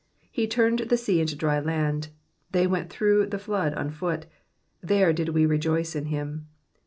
6 He turned the sea into dry land: they went through the flood on foot : there did we rejoice in him.